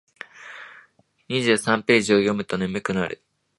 二三ページ読むと眠くなる